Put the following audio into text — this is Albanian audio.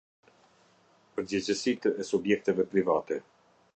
Përgjegjësitë e subjekteve private.